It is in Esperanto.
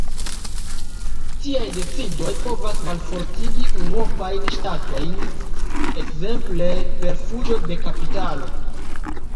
Tiaj decidoj povas malfortigi unuopajn ŝtatojn, ekzemple per fuĝo de kapitalo.